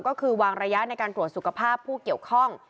ก็คือวางระยะในการตรวจสุขภาพผู้เกี่ยวข้อง